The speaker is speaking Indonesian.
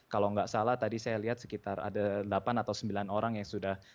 kalau enggak salah tadi saya lihat sekitar ada delapan atau sembilan orang